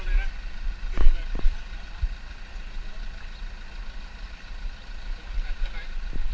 ต่อต่อต่อ